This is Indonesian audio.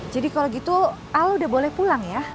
jadi kalau gitu al sudah boleh pulang ya